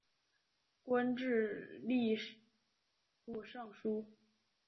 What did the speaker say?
官至吏部尚书。